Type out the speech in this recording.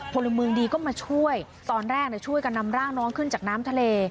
พลเมืองดีก็มาช่วยตอนแรกช่วยกันนำร่างน้องขึ้นจากน้ำทะเล